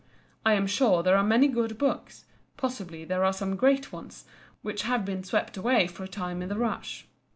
I am sure there are many good books, possibly there are some great ones, which have been swept away for a time in the rush.